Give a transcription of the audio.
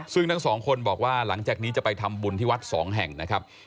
ซึ่งทั้งสองคนบอกว่าหลังจากนี้จะไปทำบุญที่วัดสองแห่งนะครับ